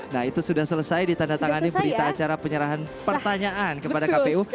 nah itu sudah selesai ditandatangani berita acara penyerahan pertanyaan kepada kpu